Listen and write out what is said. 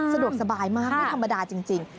สะดวกสบายมากไม่ธรรมดาจริง